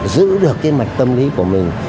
giữ được cái mặt tâm lý của mình